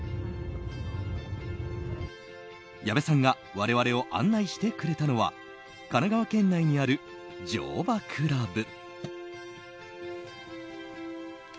矢部さんが我々を案内してくれたのは神奈川県内にある乗馬クラブ。